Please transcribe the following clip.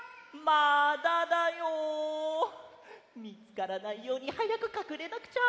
みつからないようにはやくかくれなくちゃ。